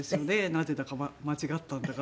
なぜだか間違ったんだか。